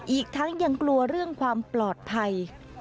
อีกทั้งยังกลัวเรื่องความปลอดภัย